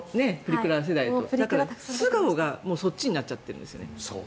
だから、素顔がそっちになっちゃってるんですよね。